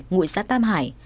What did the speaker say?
ngụy xá tam hải